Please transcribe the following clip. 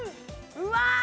うわ！